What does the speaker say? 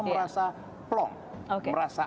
merasa plong merasa